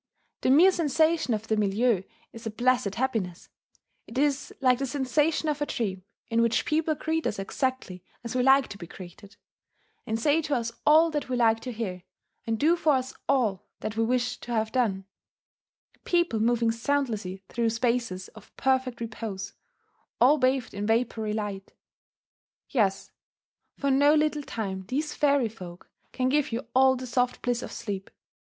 The mere sensation of the milieu is a placid happiness: it is like the sensation of a dream in which people greet us exactly as we like to be greeted, and say to us all that we like to hear, and do for us all that we wish to have done, people moving soundlessly through spaces of perfect repose, all bathed in vapoury light. Yes for no little time these fairy folk can give you all the soft bliss of sleep.